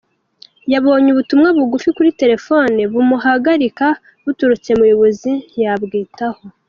Yabonye ubutumwa bugufi kuri terefone bumuhagarika buturutse mu buyobozi ntiyabwitaho.